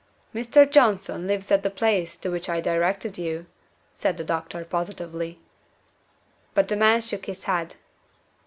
"Mr. Johnson lives at the place to which I directed you," said the doctor, positively. But the man shook his head.